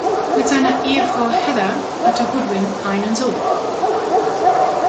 Mit seiner Ehefrau Heather hatte Goodwin einen Sohn.